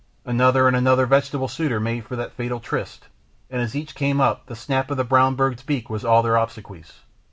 Another and another vegetable suitor made for that fatal tryst, and as each came up the snap of the brown bird's beak was all their obsequies.